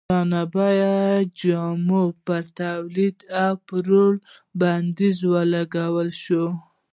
ګران بیه جامو پر تولید او پېر بندیز ولګول شو.